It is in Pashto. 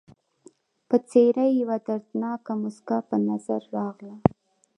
پر څېره یې یوه دردناکه مسکا په نظر راغله.